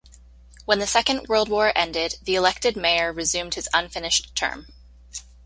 When the Second World War ended the elected mayor resumed his unfinished term.